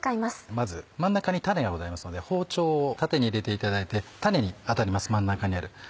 まず真ん中に種がございますので包丁を縦に入れていただいて種に当たります真ん中にある。